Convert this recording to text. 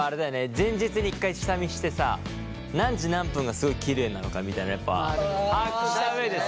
前日に１回下見してさ何時何分がすごいきれいなのかみたいなのやっぱ把握した上でさ。